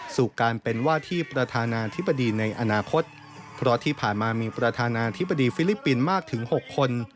สู่การเป็นว่าที่ประธานาธิบดีในอนาคตเพราะที่ผ่านมามีประธานาธิบดีฟิลิปปินส์มากถึง๖คน